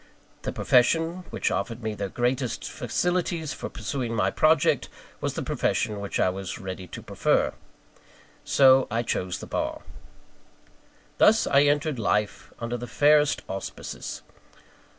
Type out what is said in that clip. The profession which offered me the greatest facilities for pursuing my project, was the profession which I was ready to prefer. So I chose the bar. Thus, I entered life under the fairest auspices.